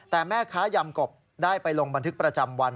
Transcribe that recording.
แต่แม่ค้ายำกบได้ไปลงบันทึกประจำวัน